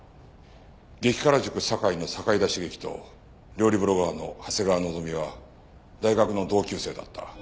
激辛塾さかいの堺田茂樹と料理ブロガーの長谷川希美は大学の同級生だった。